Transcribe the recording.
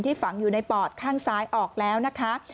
ฝังอยู่ในปอดข้างซ้ายออกแล้วนะคะ